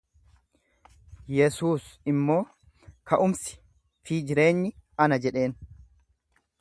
Yesuus immoo, Ka'umsi fi jireenyi ana jedheen.